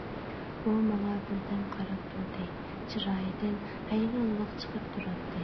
ئۇ ماڭا بىردەم قاراپ تۇردى، چىرايىدىن ھەيرانلىق چىقىپ تۇراتتى.